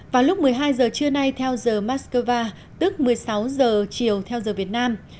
vào lúc một mươi hai giờ trưa nay theo giờ moscow tức một mươi sáu giờ chiều theo giờ việt nam